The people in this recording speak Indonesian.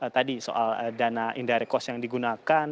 tadi soal dana indirect cost yang digunakan